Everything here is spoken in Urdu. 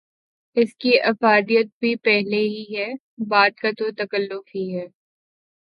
اس کی افادیت بھی پہلے ہی ہے، بعد کا تو تکلف ہی ہے۔